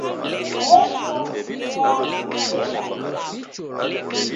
Ogua mfu ghwa mabemba.